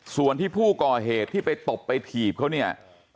ส่วนที่ผู้ก่อเหตุที่ไปตบไปถีบเขาเนี่ย